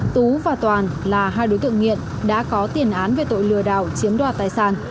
tú và toàn là hai đối tượng nghiện đã có tiền án về tội lừa đảo chiếm đoạt tài sản